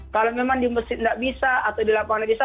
kalau memang di mesin tidak bisa